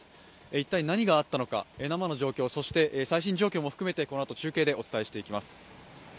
一体何があったのか、目の前の状況そして最新状況も含めて、このあと中継でお伝えしていきます。